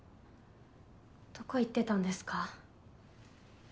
どこ行ってたんですか？